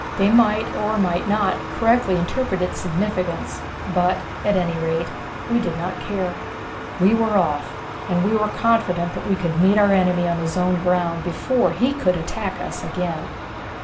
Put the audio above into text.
They might, or might not, correctly interpret its significance; but, at any rate, we did not care. We were off, and were confident that we could meet our enemy on his own ground before he could attack us again.